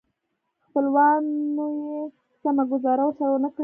خپلوانو یې سمه ګوزاره ورسره ونه کړه.